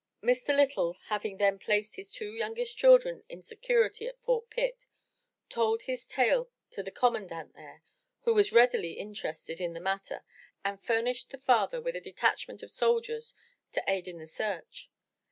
Mr. Lytle, having then placed his two youngest children in security at Fort Pitt, told his tale to the Commandant there, who was readily interested in the matter and furnished the father with a detachment of soldiers to aid in the search.